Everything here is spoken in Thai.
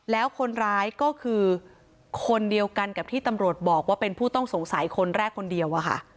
แล้วคนร้ายก็คือคนเดียวกันกับที่ตำรวจบอกว่าเป็นผู้ต้องสงสัยคนแรกคนเดียวอะค่ะ